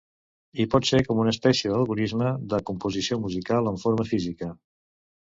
I pot ser com una espècie d'algorisme de composició musical en forma física.